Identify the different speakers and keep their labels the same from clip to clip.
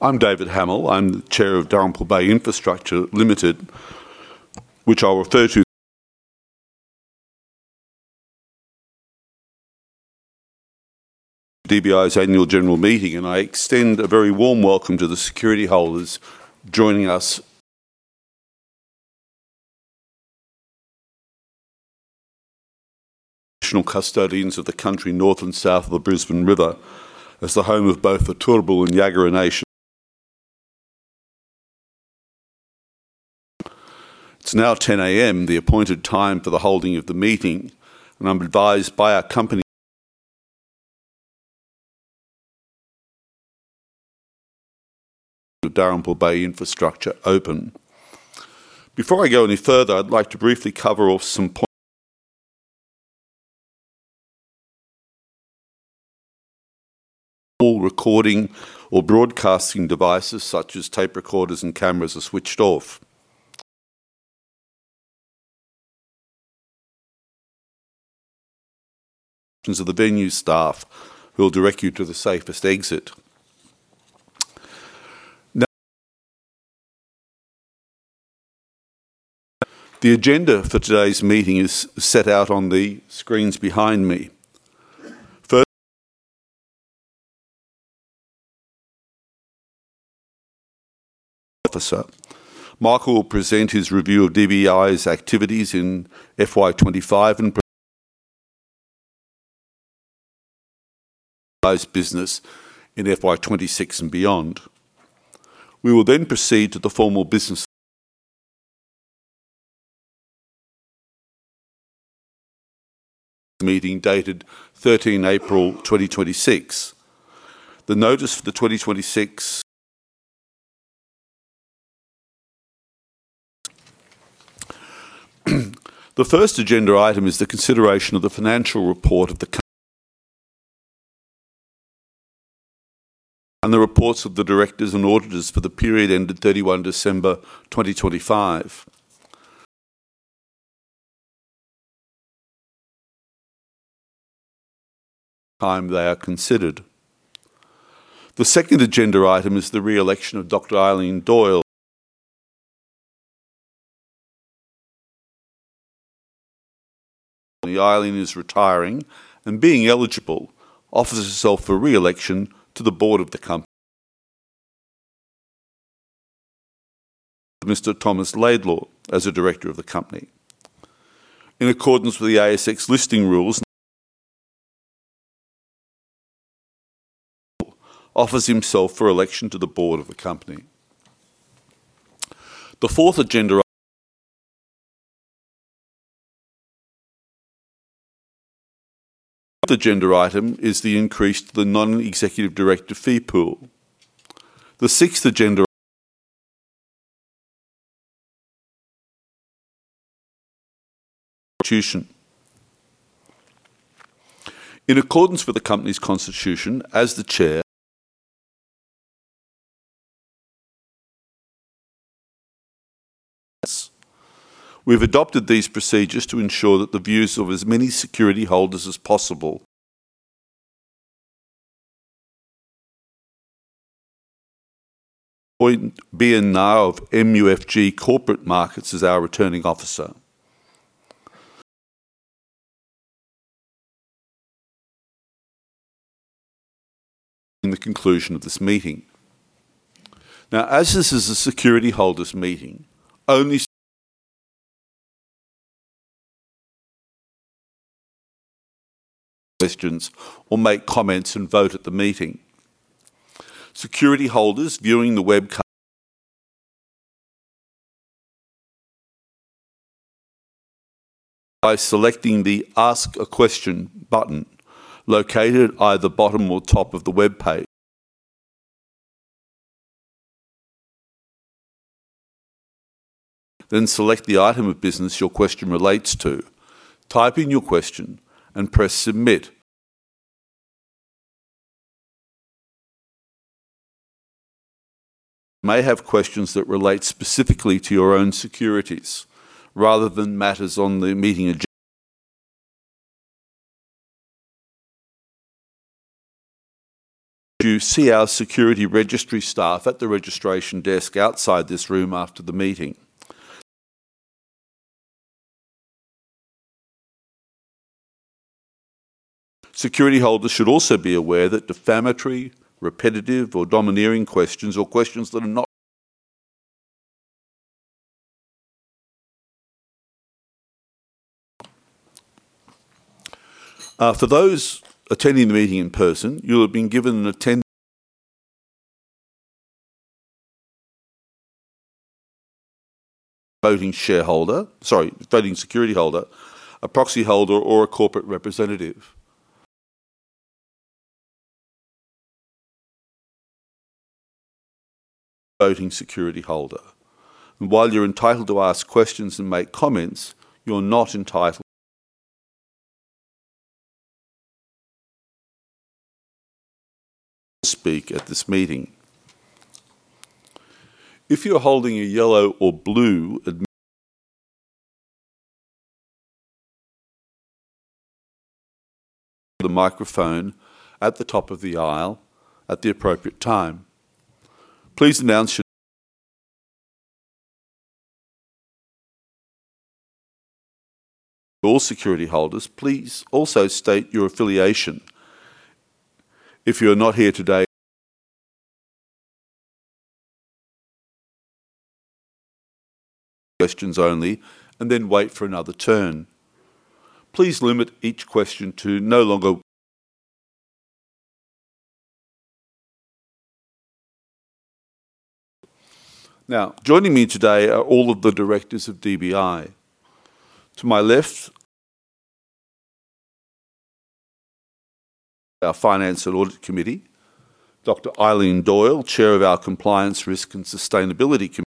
Speaker 1: I'm David Hamill. I'm the Chair of Dalrymple Bay Infrastructure Limited, which I'll refer to DBI's annual general meeting. I extend a very warm welcome to the security holders joining us. National custodians of the country north and south of the Brisbane River as the home of both the Turrbal and Jagera Nation. It's now 10:00AM, the appointed time for the holding of the meeting. I'm advised by our company of Dalrymple Bay Infrastructure open. Before I go any further, I'd like to briefly cover off some. All recording or broadcasting devices such as tape recorders and cameras are switched off. Of the venue staff who will direct you to the safest exit. Now, the agenda for today's meeting is set out on the screens behind me. First, officer. Michael will present his review of DBI's activities in FY 2025 and present business in FY 2026 and beyond. We will proceed to the formal business meeting dated 13th April 2026. The first agenda item is the consideration of the financial report and the reports of the directors and auditors for the period ended 31 December 2025. Time they are considered. The second agenda item is the re-election of Dr. Eileen Doyle. Eileen is retiring, and being eligible offers herself for re-election to the Board of the company. Mr. Thomas Laidlaw as a Director of the company, in accordance with the ASX Listing Rules, offers himself for election to the board of the company. The fourth agenda item is the increase to the Non-Executive Director fee pool. The sixth agenda constitution. In accordance with the company's constitution as the Chair has, we've adopted these procedures to ensure that the views of as many security holders as possible. Be it known of MUFG Corporate Markets as our Returning Officer. In the conclusion of this meeting. As this is a security holders meeting, only questions or make comments and vote at the meeting. Security holders viewing the web by selecting the Ask a Question button located at either bottom or top of the webpage. Select the item of business your question relates to. Type in your question and press Submit. You may have questions that relate specifically to your own securities rather than matters on the meeting agenda should you see our security registry staff at the registration desk outside this room after the meeting. Security holders should also be aware that defamatory, repetitive, or domineering questions or questions that are not. For those attending the meeting in person, you'll have been given an attend voting shareholder, sorry, voting security holder, a proxy holder, or a corporate representative. Voting security holder. While you're entitled to ask questions and make comments, you're not entitled to speak at this meeting. If you're holding a yellow or blue The microphone at the top of the aisle at the appropriate time. Please announce. All security holders. Please also state your affiliation. If you are not here today, questions only, and then wait for another turn. Please limit each question to no longer. Now, joining me today are all of the Directors of DBI. To my left, our Finance and Audit Committee. Dr. Eileen Doyle, Chair of our Compliance, Risk and Sustainability Committee.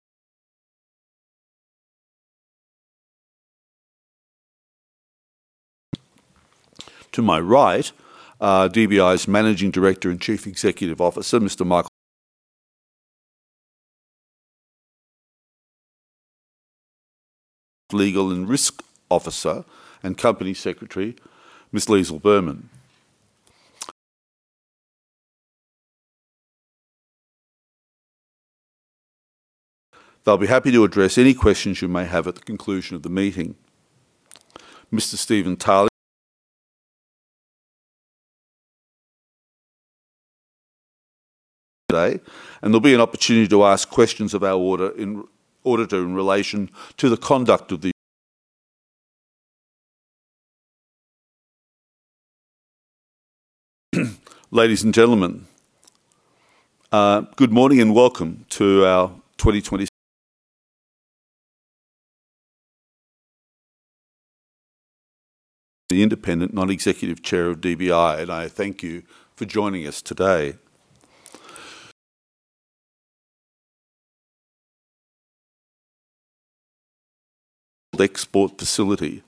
Speaker 1: To my right are DBI's Managing Director and Chief Executive Officer, Mr. Michael Riches. Legal and Risk Officer and Company Secretary, Ms. Liesl Burman. They'll be happy to address any questions you may have at the conclusion of the meeting. Mr. Stephen Tarling. Today, there'll be an opportunity to ask questions of our auditor in relation to the conduct of. Ladies and gentlemen, good morning and welcome to our 2020-. The independent non-executive chair of DBI. I thank you for joining us today. Export facility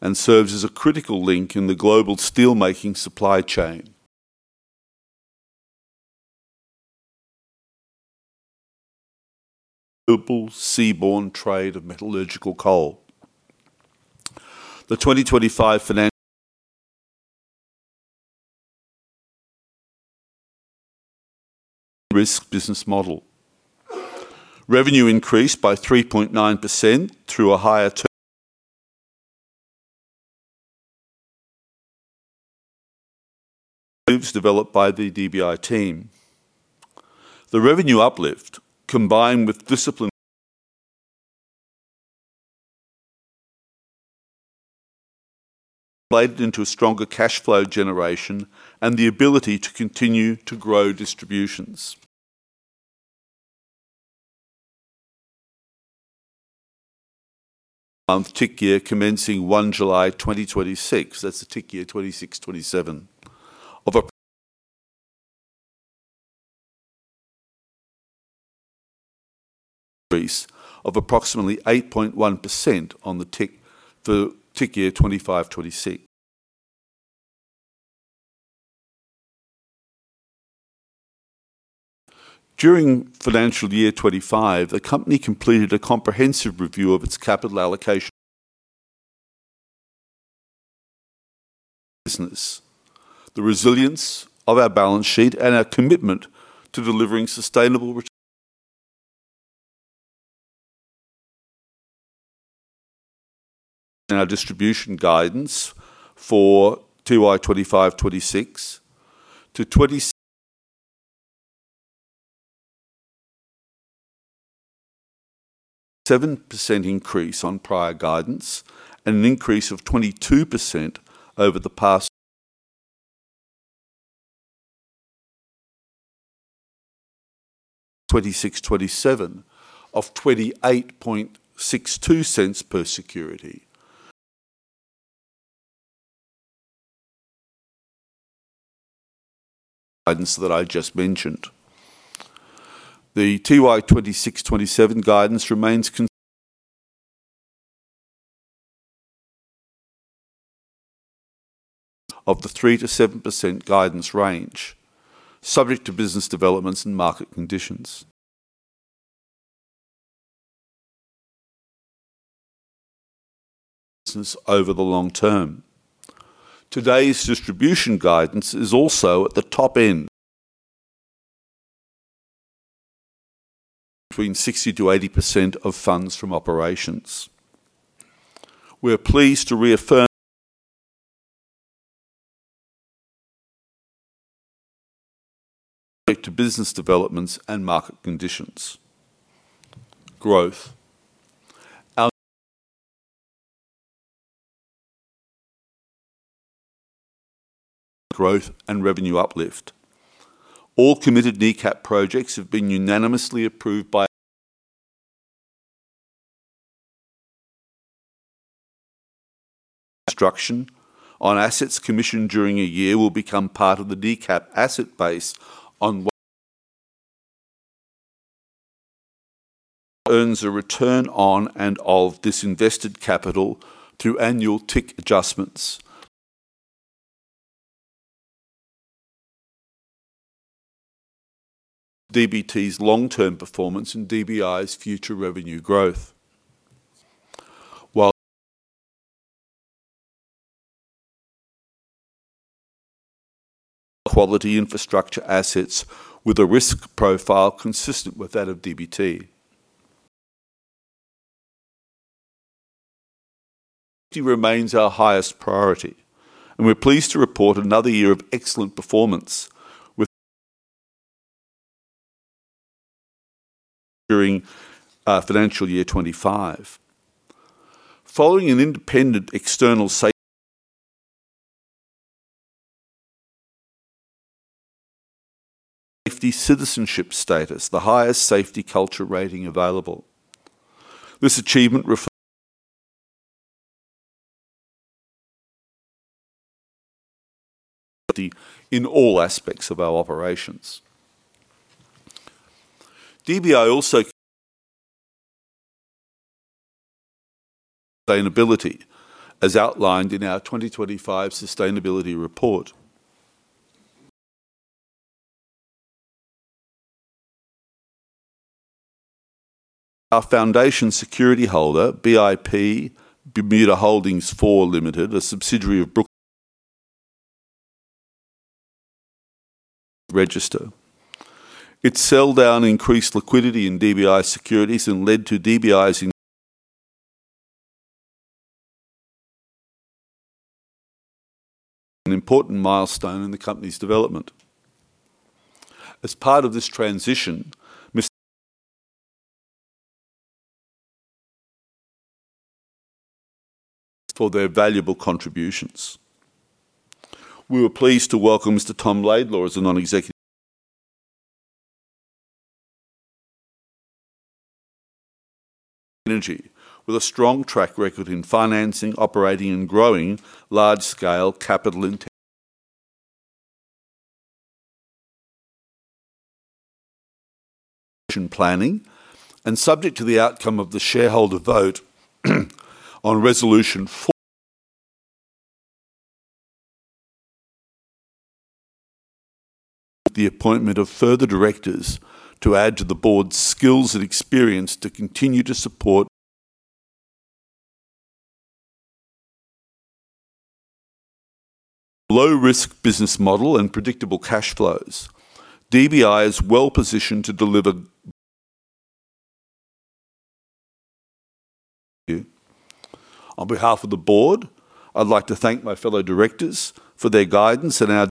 Speaker 1: and serves as a critical link in the global steelmaking supply chain. Global seaborne trade of metallurgical coal. The 2025 finance- risk business model. Revenue increased by 3.9% through a higher TIC. Moves developed by the DBI team. The revenue uplift, combined with stronger cash flow generation and the ability to continue to grow distributions. TIC year commencing 1 July 2026. That's the TIC year 2026, 2027 increase of approximately 8.1% on the TIC, for TIC year 2025, 2026. During FY 2025, the company completed a comprehensive review of its capital allocation. The resilience of our balance sheet and our commitment to delivering sustainable. Our distribution guidance for TY 2025, 2026 to 7% increase on prior guidance and an increase of 22%. 2026, 2027 of AUD 0.2862 per security, guidance that I just mentioned. The TY 2026, 2027 guidance remains consistent with the 3%-7% guidance range, subject to business developments and market conditions. Today's distribution guidance is also between 60%-80% of Funds From Operations. We are pleased to reaffirm. To business developments and market conditions. Growth. Growth and revenue uplift. All committed NECAP projects have been unanimously approved by. Construction on assets commissioned during a year will become part of the NECAP asset base on what. Earns a return on and of this invested capital through annual TIC adjustments. DBT's long-term performance and DBI's future revenue growth. While quality infrastructure assets with a risk profile consistent with that of DBT. Safety remains our highest priority, and we're pleased to report another year of excellent performance with during FY 2025. Following an independent external Safety Citizenship status, the highest safety culture rating available. This achievement reflect safety in all aspects of our operations. DBI also sustainability as outlined in our 2025 sustainability report. Our foundation security holder, BIP Bermuda Holdings IV Limited, a subsidiary of Brookfield. Its sell-down increased liquidity in DBI securities and led to DBI's an important milestone in the company's development. As part of this transition, Mr. for their valuable contributions. We were pleased to welcome Mr. Tom Laidlaw as a non-executive with a strong track record in financing, operating, and growing large-scale capital planning and subject to the outcome of the shareholder vote Resolution 4 the appointment of further directors to add to the board's skills and experience to continue to support low-risk business model and predictable cash flows. DBI is well-positioned to deliver you. On behalf of the board, I'd like to thank my fellow Directors for their guidance and our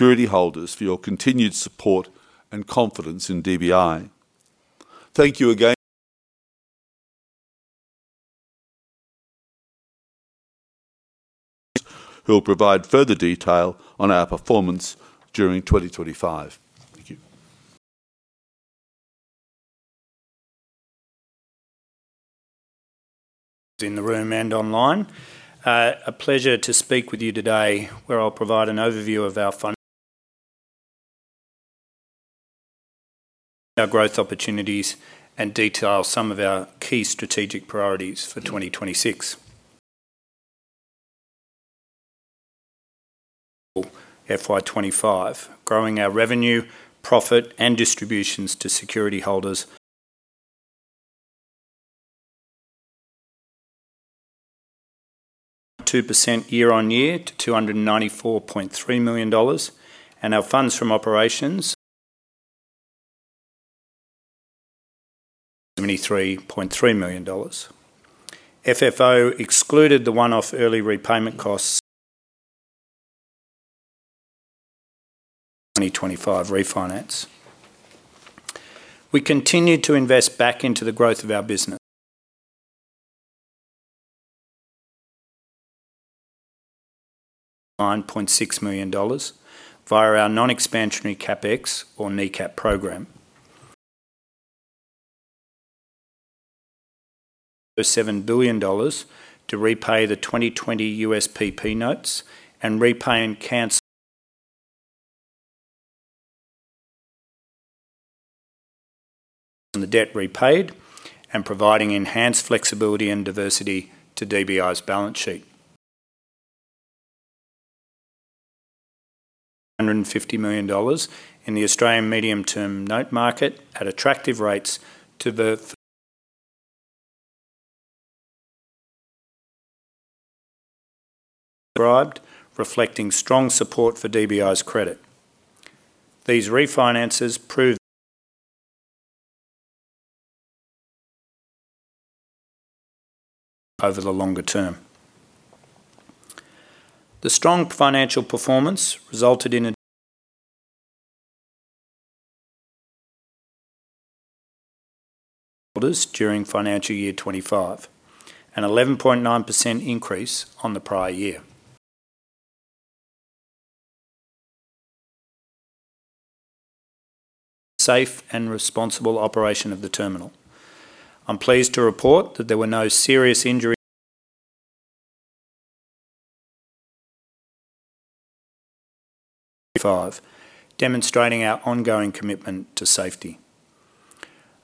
Speaker 1: security holders for your continued support and confidence in DBI. Thank you again. Who will provide further detail on our performance during 2025. Thank you.
Speaker 2: In the room and online. A pleasure to speak with you today, where I'll provide an overview of our growth opportunities and detail some of our key strategic priorities for 2026. FY 2025, growing our revenue, profit, and distributions to security holders. 2% year on year to 294.3 million dollars, and our Funds From Operations AUD 73.3 million. FFO excluded the one-off early repayment costs 2025 refinance. We continued to invest back into the growth of our business. AUD 9.6 million via our Non-Expansionary Capital Expenditure or NECAP program. 7 billion dollars to repay the 2020 USPP notes and repay and cancel the debt, providing enhanced flexibility and diversity to DBI's balance sheet. AUD 150 million in the Australian medium-term note market at attractive rates subscribed, reflecting strong support for DBI's credit. These refinances prove over the longer term. The strong financial performance resulted in during FY 2025, an 11.9% increase on the prior year. Safe and responsible operation of the terminal. I'm pleased to report that there were no serious injuries, demonstrating our ongoing commitment to safety.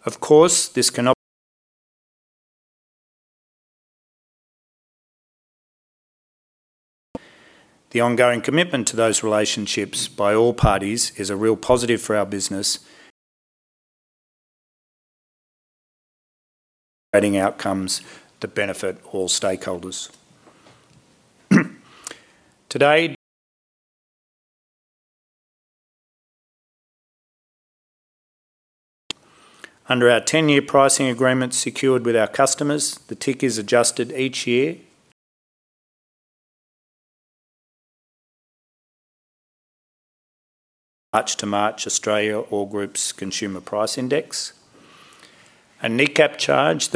Speaker 2: Of course, this cannot The ongoing commitment to those relationships by all parties is a real positive for our business, adding outcomes that benefit all stakeholders. Today, under our 10-year pricing agreement secured with our customers, the TIC is adjusted each year March to March Australia all groups Consumer Price Index. A NECAP charge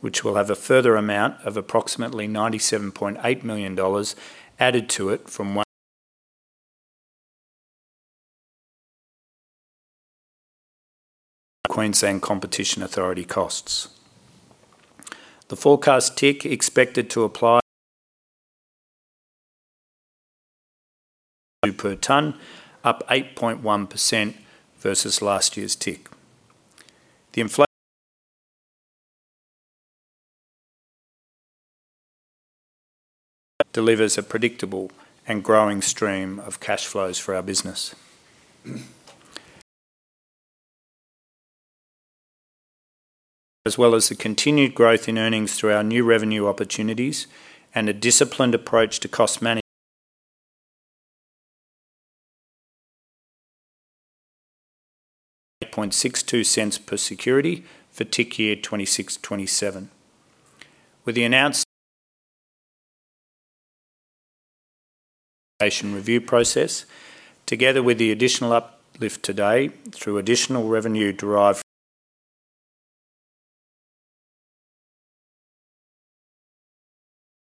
Speaker 2: Which will have a further amount of approximately 97.8 million dollars added to it from Queensland Competition Authority costs. The forecast TIC expected to apply per ton, up 8.1% versus last year's TIC. Delivers a predictable and growing stream of cash flows for our business. As well as the continued growth in earnings through our new revenue opportunities and a disciplined approach to cost management. AUD 0.0862 per security for TIC year 2026, 2027. With the announce Review process, together with the additional uplift today through additional revenue derived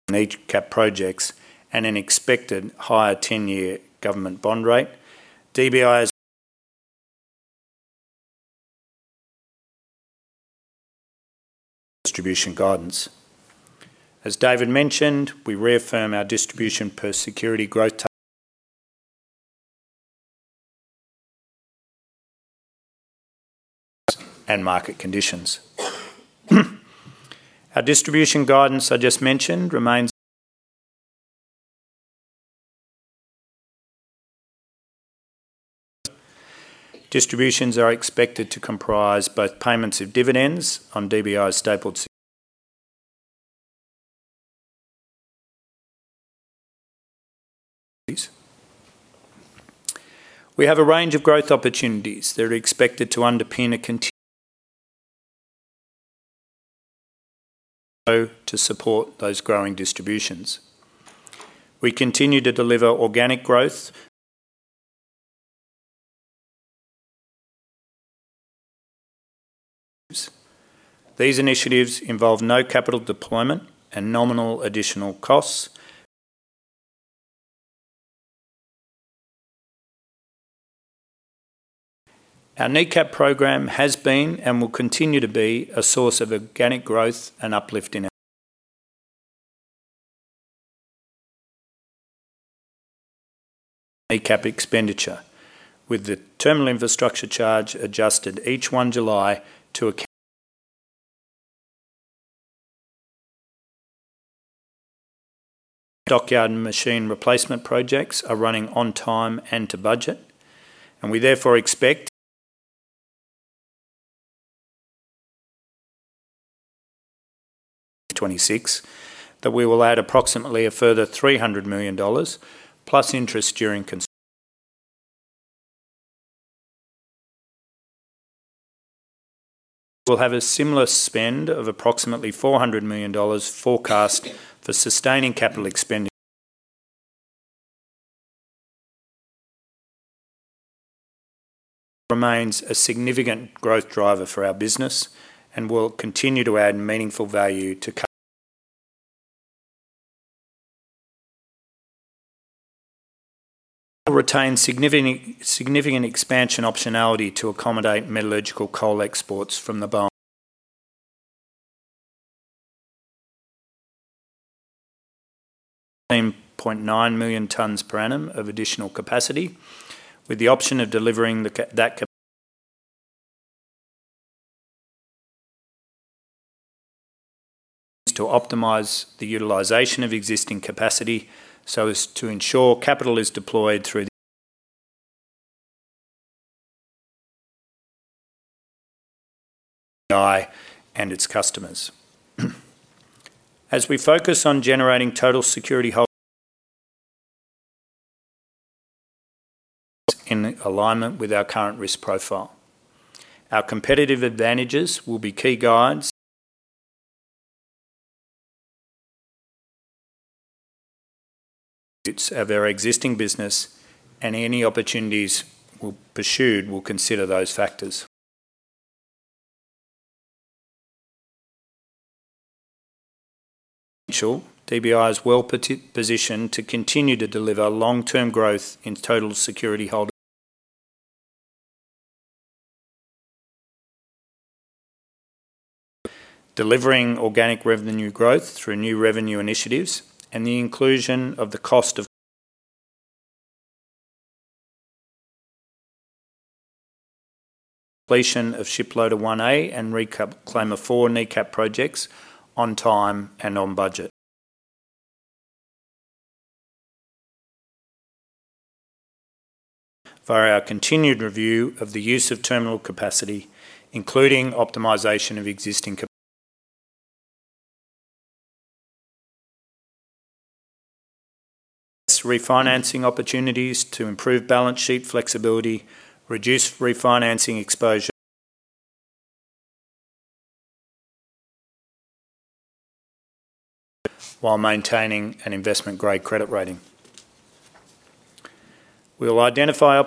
Speaker 2: from NECAP projects and an expected higher 10-year government bond rate. DBI's distribution guidance. As David mentioned, we reaffirm our distribution per security growth target and market conditions. Our distribution guidance I just mentioned remains. Distributions are expected to comprise both payments of dividends on DBI stapled. We have a range of growth opportunities that are expected to underpin a conti... To support those growing distributions, we continue to deliver organic growth. These initiatives involve no capital deployment and nominal additional costs. Our NECAP program has been and will continue to be a source of organic growth and uplift in our NECAP expenditure, with the Terminal Infrastructure Charge adjusted each 1 July. Stockyard machine replacement projects are running on time and to budget, we therefore expect 2026 that we will add approximately a further 300 million dollars plus interest. We will have a similar spend of approximately 400 million dollars forecast for sustaining capital. It remains a significant growth driver for our business and will continue to add meaningful value. It retains significant expansion optionality to accommodate metallurgical coal exports from the Bowen Basin, 9.9 million tons per annum of additional capacity with the option of delivering that capacity to optimize the utilization of existing capacity so as to ensure capital is deployed through the terminal and its customers. As we focus on generating total security hold in alignment with our current risk profile. Our competitive advantages will be key guides of our existing business and any opportunities we'll pursue will consider those factors. DBI is well positioned to continue to deliver long-term growth in total security holder. Delivering organic revenue growth through new revenue initiatives and the inclusion of the cost of completion of Shiploader 1A and Reclaimer 4 NECAP projects on time and on budget. For our continued review of the use of terminal capacity, including optimization of existing capacity, refinancing opportunities to improve balance sheet flexibility, reduce refinancing exposure while maintaining an investment-grade credit rating. We'll identify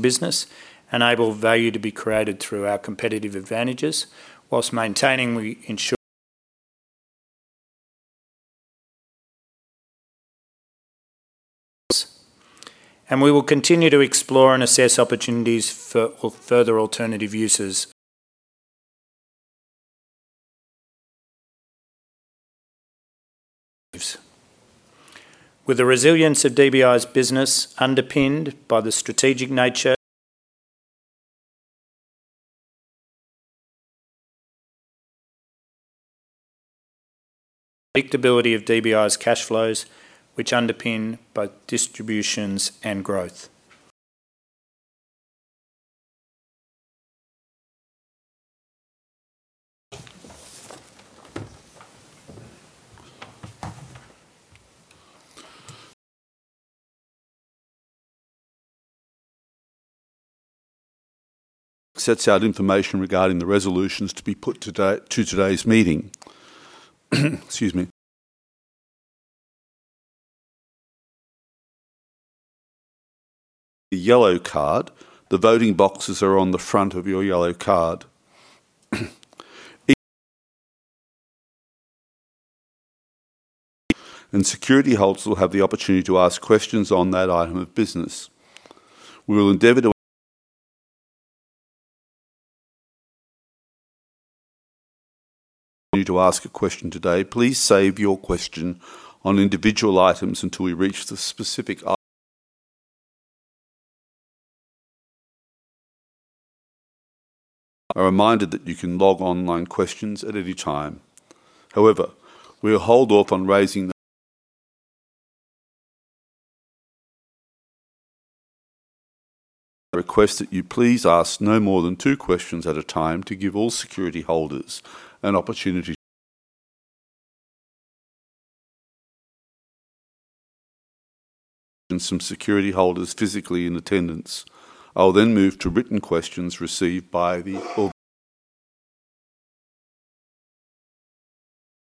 Speaker 2: business, enable value to be created through our competitive advantages whilst maintaining we ensure. We will continue to explore and assess opportunities for further alternative uses. With the resilience of DBI's business underpinned by the strategic nature predictability of DBI's cash flows, which underpin both distributions and growth.
Speaker 1: Sets out information regarding the resolutions to be put today to today's meeting. Excuse me. The yellow card. The voting boxes are on the front of your yellow card. Security holders will have the opportunity to ask questions on that item of business. We will endeavor to you to ask a question today, please save your question on individual items until we reach the specific I. A reminder that you can log online questions at any time. However, we'll hold off on. I request that you please ask no more than two questions at a time to give all security holders an opportunity and some security holders physically in attendance. I'll then move to written questions received by the orga.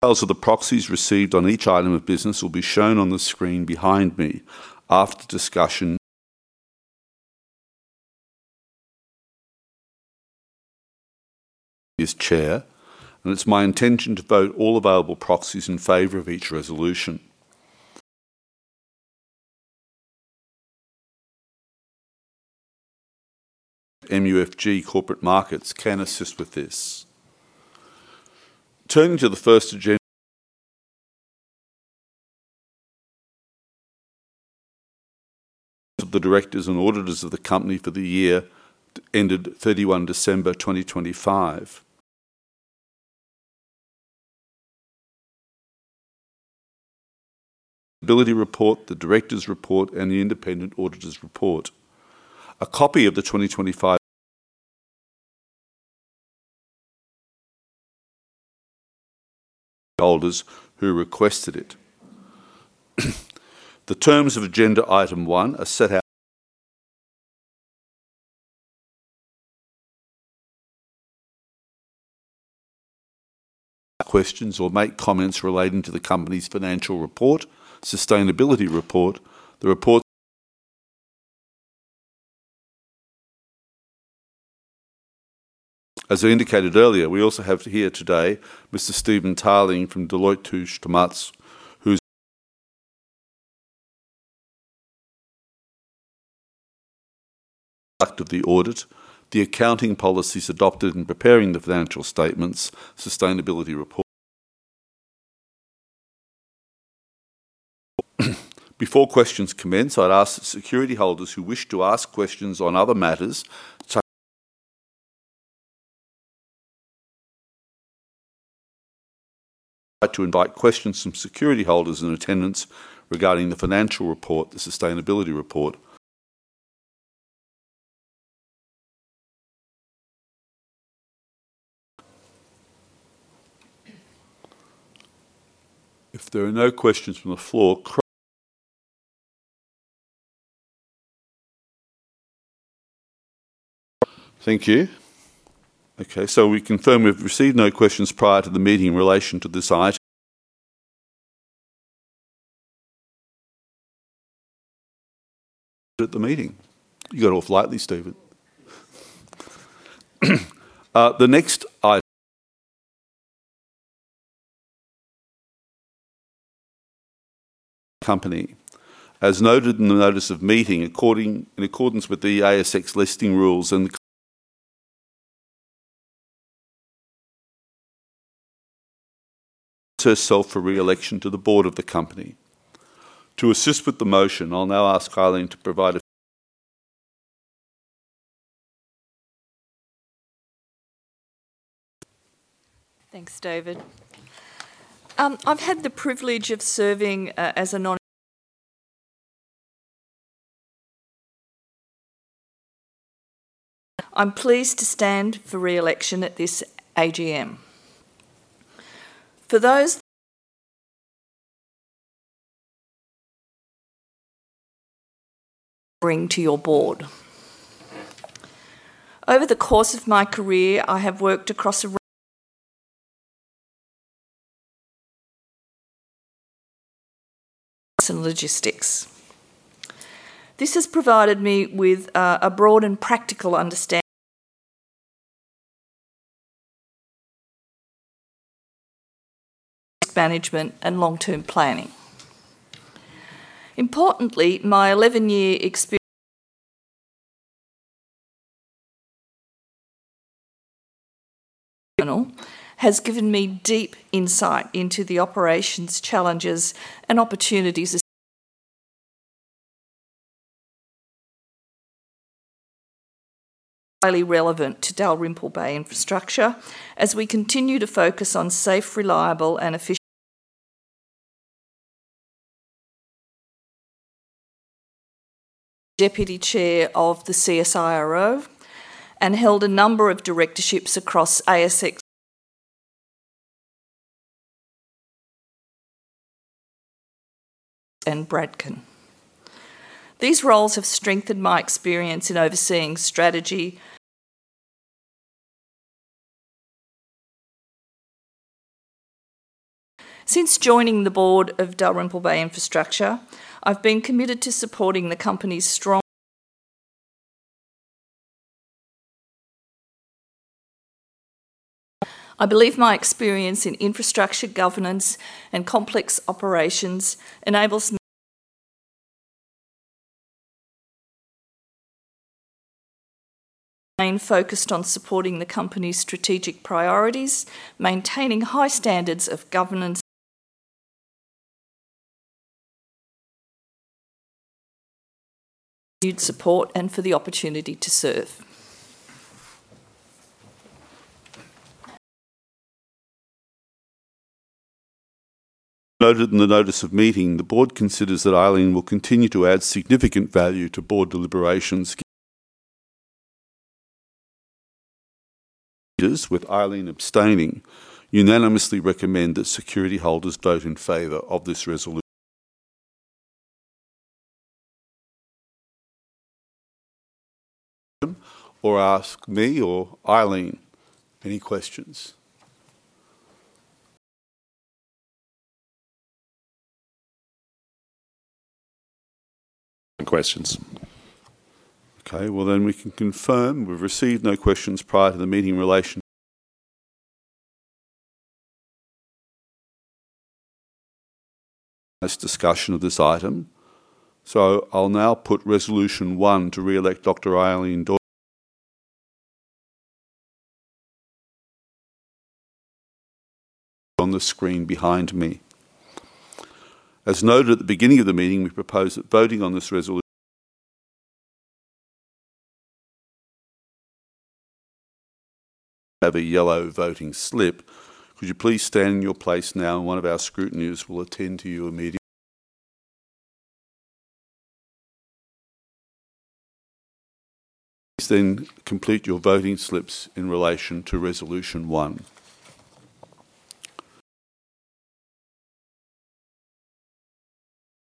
Speaker 1: Details of the proxies received on each item of business will be shown on the screen behind me after discussion this chair, and it's my intention to vote all available proxies in favor of each resolution. MUFG Corporate Markets can assist with this. Turning to the first agenda of the directors and auditors of the company for the year ended 31 December 2025. Sustainability report, the director's report, and the independent auditor's report. A copy of the 2025 holders who requested it. The terms of agenda item one are set out questions or make comments relating to the company's financial report, sustainability report, the report. As I indicated earlier, we also have here today Mr. Stephen Tarling from Deloitte Touche Tohmatsu, who's conduct of the audit, the accounting policies adopted in preparing the financial statements, sustainability report. Before questions commence, I'd ask that security holders who wish to ask questions on other matters ask to invite questions from security holders in attendance regarding the financial report, the sustainability report. If there are no questions from the floor, Craig. Thank you. Okay, so we confirm we've received no questions prior to the meeting in relation to this ite- at the meeting. You got off lightly, Stephen. The next item Company. As noted in the notice of meeting, in accordance with the ASX Listing Rules and herself for re-election to the Board of the company. To assist with the motion, I'll now ask Eileen to provide a
Speaker 3: Thanks, David. I've had the privilege of serving. I'm pleased to stand for re-election at this AGM. For those bring to your Board. Over the course of my career, I have worked across a and logistics. This has provided me with a broad and practical understand management and long-term planning. Importantly, my 11-year experience has given me deep insight into the operations, challenges, and opportunities highly relevant to Dalrymple Bay Infrastructure as we continue to focus on safe, reliable, and efficient. I was Deputy Chair of the CSIRO and held a number of directorships across ASX and Bradken. These roles have strengthened my experience in overseeing strategy. Since joining the board of Dalrymple Bay Infrastructure, I've been committed to supporting the company's strong. I believe my experience in infrastructure governance and complex operations enables me focused on supporting the company's strategic priorities, maintaining high standards of governance support and for the opportunity to serve.
Speaker 1: Noted in the notice of meeting, the Board considers that Eileen will continue to add significant value to board deliberations with Eileen abstaining unanimously recommend that security holders vote in favor of this resolution or ask me or Eileen any questions. We can confirm we've received no questions prior to the meeting in relation discussion of this item. I'll now put Resolution 1 to reelect Dr. Eileen Doyle on the screen behind me. As noted at the beginning of the meeting, we propose that voting on this resolution have a yellow voting slip, could you please stand in your place now and one of our scrutineers will attend to you immediately. Complete your voting slips in relation to Resolution 1.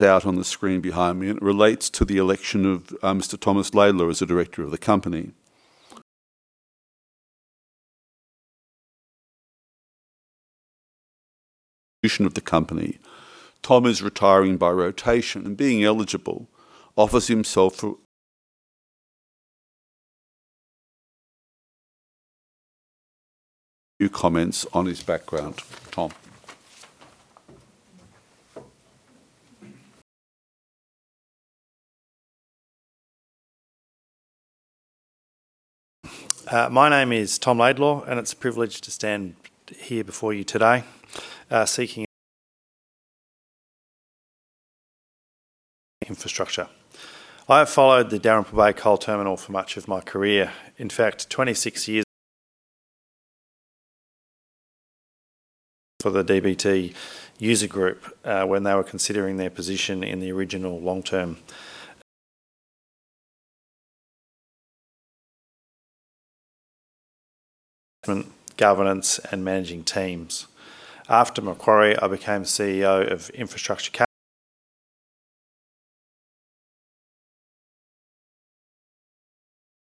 Speaker 1: out on the screen behind me, it relates to the election of Mr. Tom Laidlaw as a Director of the company. Of the company. Tom is retiring by rotation and being eligible offers himself for few comments on his background. Tom.
Speaker 4: My name is Tom Laidlaw, and it's a privilege to stand here before you today, seeking infrastructure. I have followed the Dalrymple Bay Coal Terminal for much of my career. In fact, 26 years for the DBCT User Group, when they were considering their position in the original long-term governance and managing teams. After Macquarie, I became CEO of Infrastructure Capital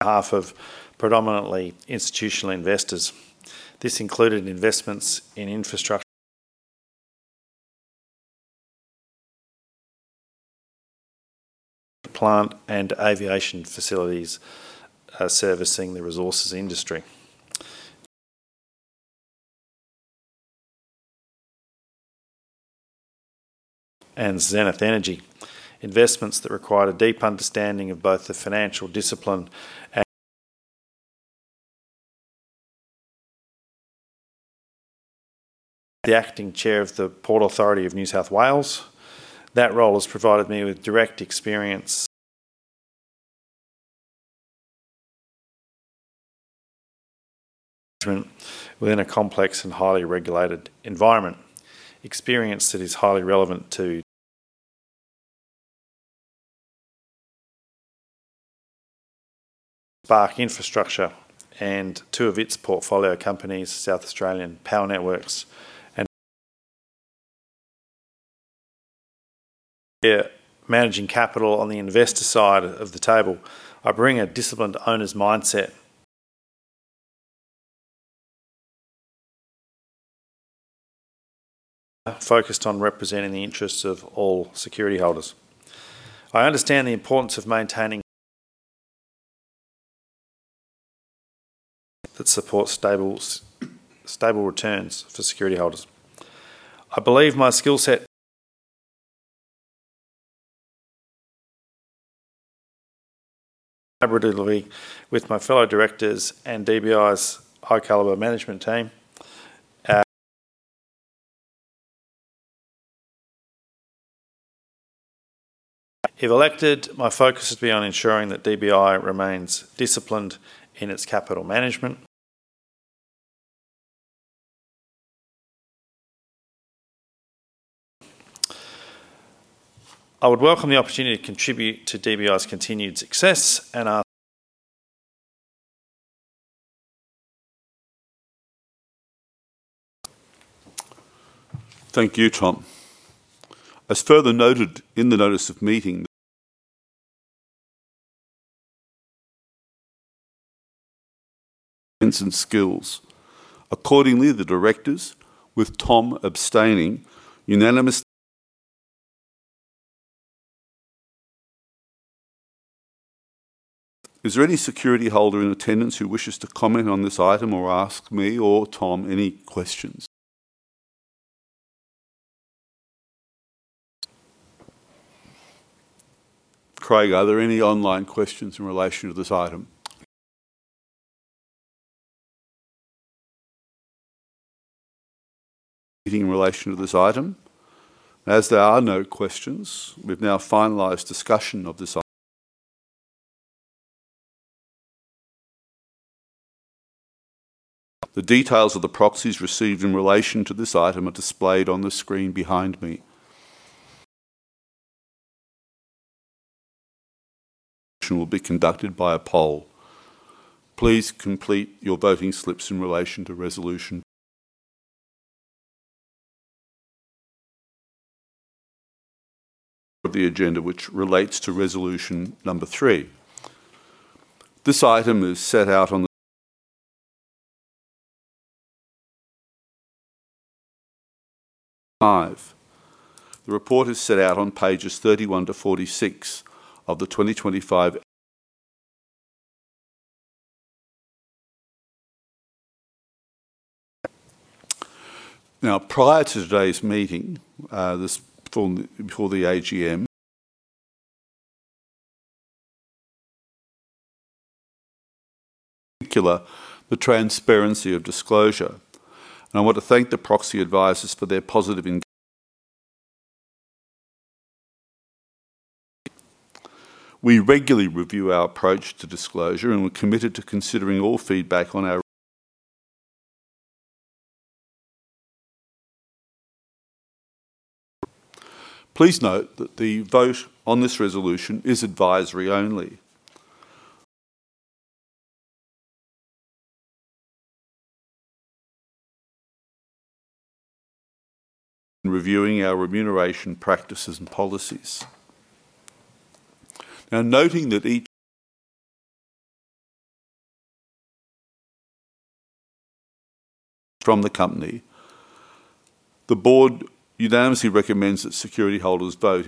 Speaker 4: Group of predominantly institutional investors. This included investments in infrastructure plant and aviation facilities, servicing the resources industry. Zenith Energy, investments that required a deep understanding of both the financial discipline and the acting Chair of the Port Authority of New South Wales. That role has provided me with direct experience within a complex and highly regulated environment, experience that is highly relevant to Spark Infrastructure and two of its portfolio companies, South Australian Power Networks and managing capital on the investor side of the table. I bring a disciplined owner's mindset focused on representing the interests of all security holders. I understand the importance of maintaining that support stable returns for security holders. I believe my skill set collaboratively with my fellow Directors and DBI's high caliber management team. If elected, my focus would be on ensuring that DBI remains disciplined in its capital management. I would welcome the opportunity to contribute to DBI's continued success.
Speaker 1: Thank you, Tom. As further noted in the notice of meeting, strengths and skills. Accordingly, the Directors, with Tom abstaining, unanimously. Is there any security holder in attendance who wishes to comment on this item or ask me or Tom any questions? Craig, are there any online questions in relation to this item? Meeting in relation to this item. As there are no questions, we've now finalized discussion of this item. The details of the proxies received in relation to this item are displayed on the screen behind me. Will be conducted by a poll. Please complete your voting slips in relation to resolution of the agenda, which relates Resolution 3. this item is set out on 5. The report is set out on pages 31-46 of the 2025. Prior to today's meeting, this for the AGM in particular, the transparency of disclosure, and I want to thank the proxy advisors for their positive engage. We regularly review our approach to disclosure, and we're committed to considering all feedback on our. Please note that the vote on this resolution is advisory only. In reviewing our remuneration practices and policies. Noting that each from the company. The Board unanimously recommends that security holders vote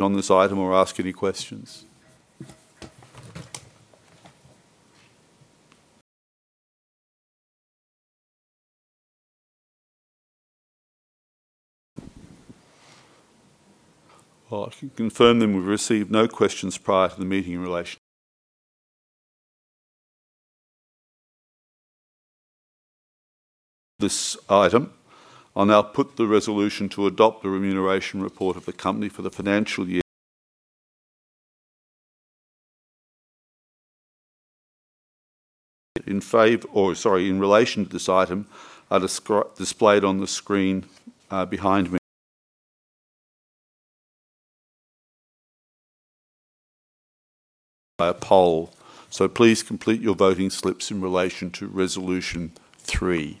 Speaker 1: on this item or ask any questions? I can confirm then we've received no questions prior to the meeting in relation this item. I'll now put the resolution to adopt the remuneration report of the company for the financial year. In relation to this item are displayed on the screen behind me. By a poll. Please complete your voting slips in relation to Resolution 3.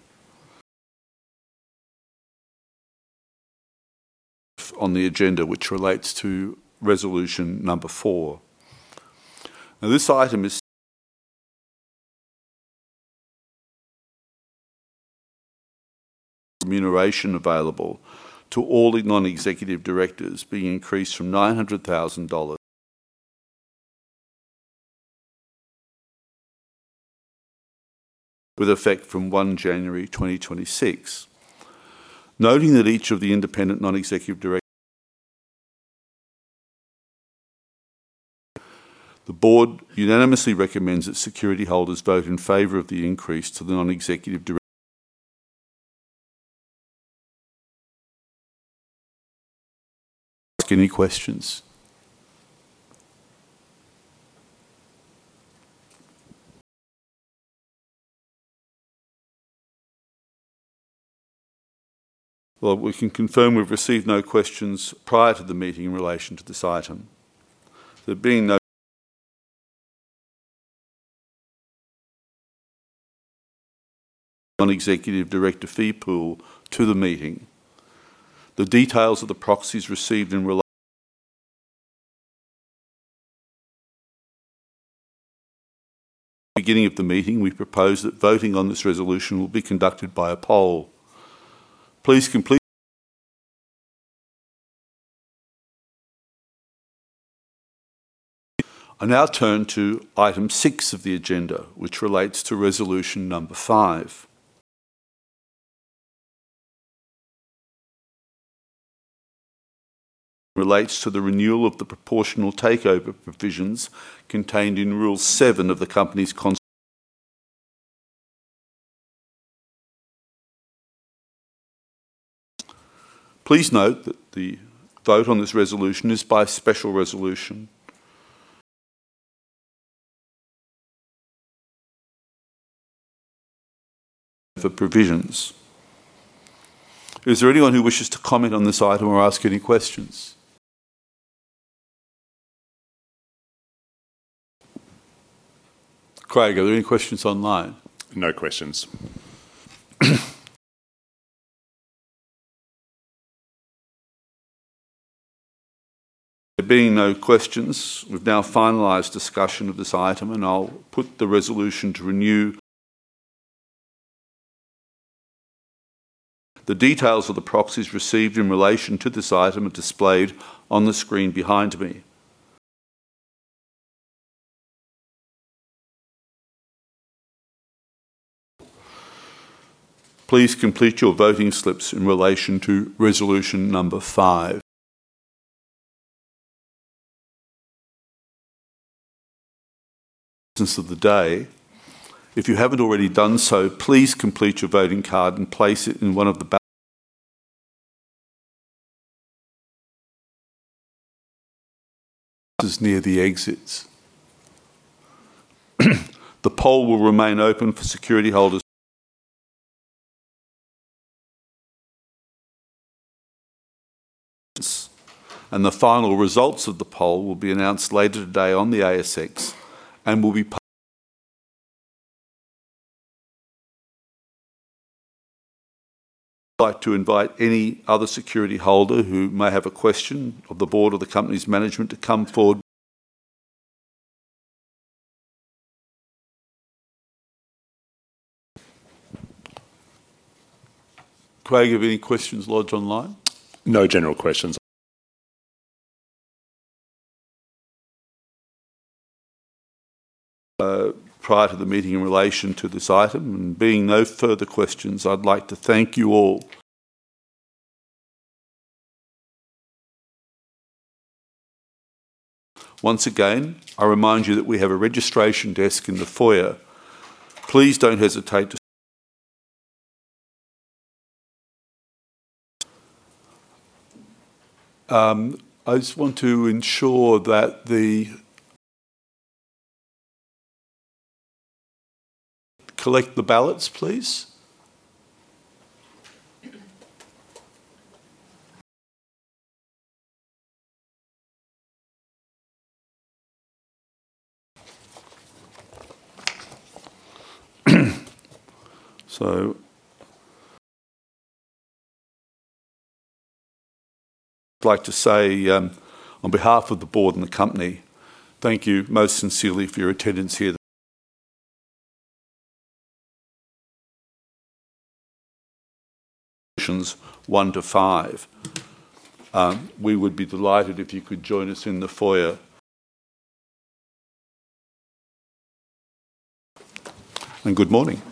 Speaker 1: on the agenda, which relates to Resolution 4. This item is remuneration available to all the Non-Executive Directors being increased from 900,000 dollars, with effect from 1 January 2026. Noting that each of the independent Non-Executive Directors, the Board unanimously recommends that security holders vote in favor of the increase to the Non-Executive Directors. Ask any questions. We can confirm we've received no questions prior to the meeting in relation to this item. There being no Non-Executive Director fee pool to the meeting. The details of the proxies received in rela beginning of the meeting, we propose that voting on this resolution will be conducted by a poll. Please complete. I now turn to item six of the agenda, which relates to Resolution 5. it relates to the renewal of the proportional takeover provisions contained in Rule 7 of the company's cons. Please note that the vote on this resolution is by special resolution. For provisions. Is there anyone who wishes to comment on this item or ask any questions? Craig, are there any questions online? No questions. There being no questions, we've now finalized discussion of this item, and I'll put the resolution to renew. The details of the proxies received in relation to this item are displayed on the screen behind me. Please complete your voting slips in relation to Resolution 5 of the day. If you haven't already done so, please complete your voting card and place it in one of the boxes near the exits. The poll will remain open for security holders. The final results of the poll will be announced later today on the ASX. I'd like to invite any other security holder who may have a question of the Board or the company's management to come forward. Craig, have you any questions lodged online? No general questions prior to the meeting in relation to this item. Being no further questions, I'd like to thank you all. Once again, I remind you that we have a registration desk in the foyer. Collect the ballots, please. I'd like to say, on behalf of the board and the company, thank you most sincerely for your attendance here this one to five. We would be delighted if you could join us in the foyer. Good morning.